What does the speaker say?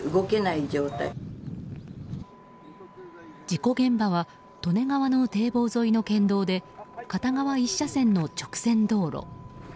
事故現場は利根川の堤防沿いの県道で片側１車線の直線道路。